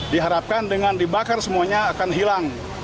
diharapkan dengan dibakar semuanya akan hilang